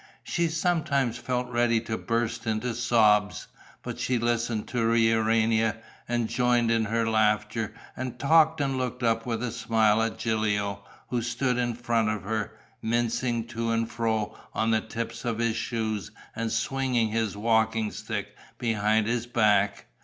She sometimes felt ready to burst into sobs. But she listened to Urania and joined in her laughter and talk and looked up with a smile at Gilio, who stood in front of her, mincing to and fro on the tips of his shoes and swinging his walking stick behind his back.